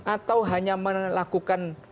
atau hanya melakukan